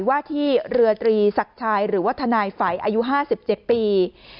ว่าที่เรือตรีศักดิ์ชายหรือว่าทนายฝัยอายุ๕๗ปี